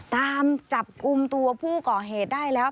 ตามจับกลุ่มตัวผู้ก่อเหตุได้แล้ว